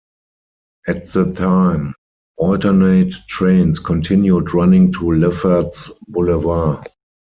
At the time, alternate trains continued running to Lefferts Boulevard.